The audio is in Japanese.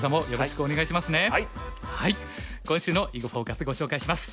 今週の「囲碁フォーカス」ご紹介します。